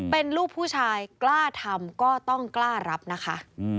เป็นลูกผู้ชายกล้าทำก็ต้องกล้ารับนะคะ